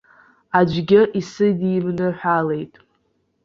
Аӡәгьы исыдимныҳәалеит.